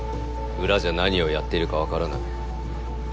裏じゃ何をやっているか分からない」。